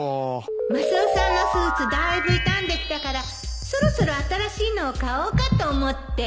マスオさんのスーツだいぶ傷んできたからそろそろ新しいのを買おうかと思って